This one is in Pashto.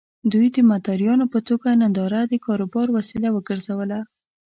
دوی د مداريانو په توګه ننداره د کاروبار وسيله وګرځوله.